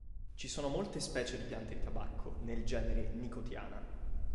Ci sono molte specie di piante di tabacco, nel genere "Nicotiana".